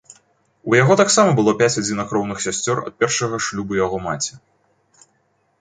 У яго таксама было пяць адзінакроўных сясцёр ад першага шлюбу яго маці.